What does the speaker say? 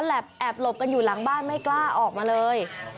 แอบหลบกันอยู่หลังบ้านไม่กล้าออกมาเลย